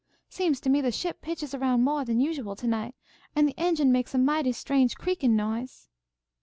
Seems to me the ship pitches around moah than usual, to night, and the engine makes a mighty strange, creakin' noise."